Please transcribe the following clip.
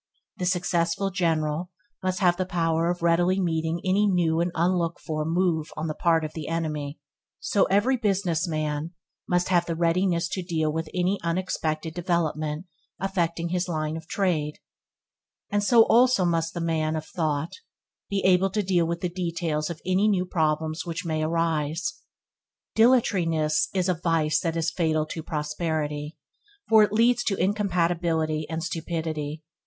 The successful General must have the power of readily meeting any new and unlooked for move on the part of the enemy; so every business man must have the readiness to deal with any unexpected development affecting his line of trade; and so also must the man of thought be able to deal with the details of any new problems which may arise. Dilatoriness is a vice that is fatal to prosperity, for it leads to incapability and stupidity.